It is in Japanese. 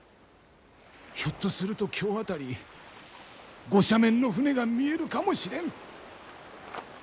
ひょっとすると今日辺りご赦免の船が見えるかもしれん。